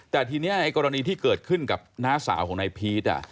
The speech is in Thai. แต่ทีนี้ไอ้กรณีที่เกิดขึ้นกับน้าสาวของนายพีช